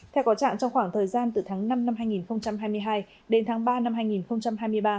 theo có trạng trong khoảng thời gian từ tháng năm năm hai nghìn hai mươi hai đến tháng ba năm hai nghìn hai mươi ba